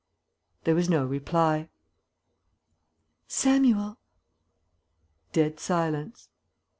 There was no reply. "Samuel!" Dead silence.